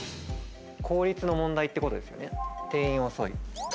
効率の問題ってことですよね。